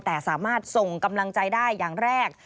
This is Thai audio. แต่สามารถส่งกำลังใจได้อย่างแรก